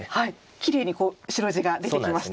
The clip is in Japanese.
きれいに白地ができてきました。